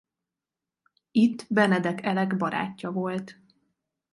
Itt Benedek Elek barátja volt.